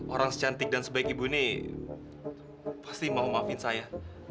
orang secantik dan sebaik ibu ini pasti mau maafin saya